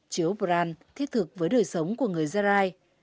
chiếu brand thiết thực với đời sống của người gia rai